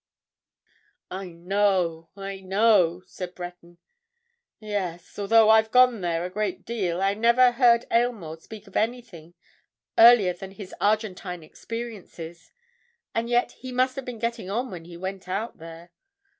"I know—I know!" said Breton. "Yes—although I've gone there a great deal, I never heard Aylmore speak of anything earlier than his Argentine experiences. And yet, he must have been getting on when he went out there."